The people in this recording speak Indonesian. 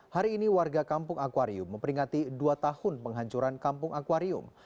hari ini warga kampung akwarium memperingati dua tahun penghancuran kampung akwarium